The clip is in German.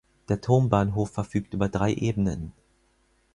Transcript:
Der Turmbahnhof verfügt über drei Ebenen.